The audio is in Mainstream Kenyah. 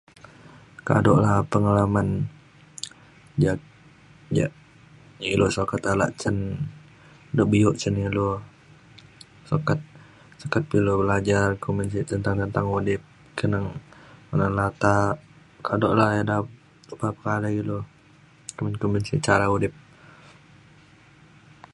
kaduk la pengalaman ja' ja' ilu sokat alak cen du da bi'uk cen ilu sokat sokat pe ilu belajar kumin sik tentang tentang udip keneng kelonan da' latak. kaduk la eda lepa pekalai ilu kumin-kumin sik cara udip.